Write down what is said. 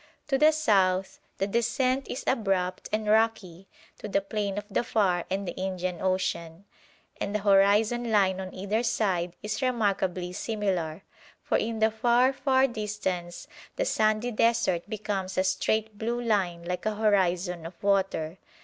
To the south the descent is abrupt and rocky to the plain of Dhofar and the Indian Ocean, and the horizon line on either side is remarkably similar, for in the far, far distance the sandy desert becomes a straight blue line like a horizon of water.